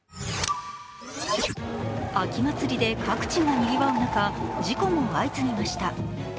秋祭りで各地がにぎわう中、事故も相次ぎました。